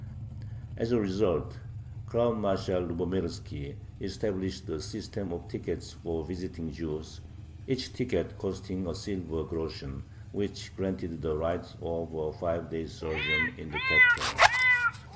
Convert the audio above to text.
As a result, Crown Marshal Lubomirski established a system of tickets for visiting Jews, each ticket costing a silver groschen, which granted the right of a five days' sojourn in the capital.